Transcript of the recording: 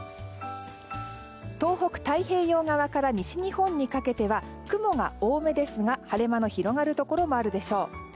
東北、太平洋側から西日本にかけては雲が多めですが晴れ間の広がるところもあるでしょう。